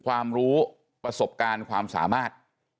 ความรู้ประสบการณ์ความสามารถ